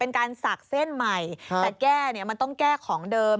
การศักดิ์เส้นใหม่แต่แก้เนี่ยมันต้องแก้ของเดิม